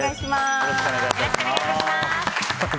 よろしくお願いします。